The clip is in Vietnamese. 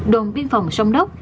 đồn biên phòng sông đốc